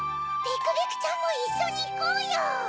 ビクビクちゃんもいっしょにいこうよ！